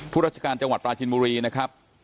ราชการจังหวัดปลาจินบุรีนะครับ